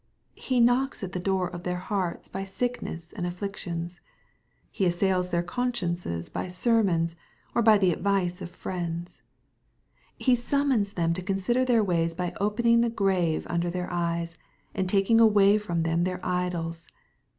He knocks at the door of their hearts by sicknesses and afflictions. He assails their consciences by sermons, or by the advice of friends. He simmions them to consider their ways by opening the grave under their eyes, and taking away from them their idols.